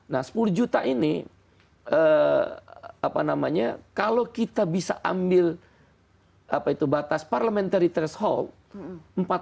nah sepuluh juta ini kalau kita bisa ambil batas parliamentary threshold